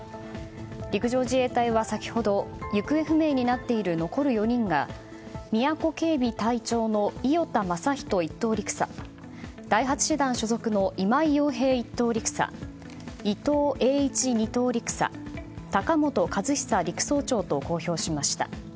陸上自衛隊は先ほど行方不明になっている残る４人が宮古警備隊長の伊與田雅一１等陸佐第８師団所属の今井洋平１等陸佐伊東英一２等陸佐高本和尚陸曹長と公表しました。